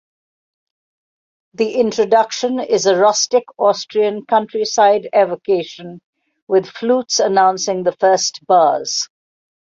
The introduction is a rustic Austrian countryside evocation, with flutes announcing the first bars.